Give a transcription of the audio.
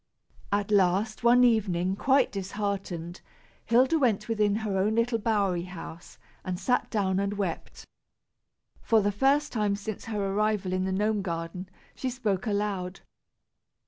At last, one evening, quite disheartened, Hilda went within her own little bowery house, and sat her down and wept. For the first time since her arrival in the gnome garden, she spoke aloud.